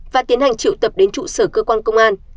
và tiến hành triệu tập đến trụ sở cơ quan công an